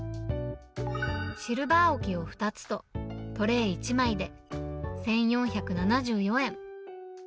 シルバー置きを２つと、トレー１枚で、１４７４円。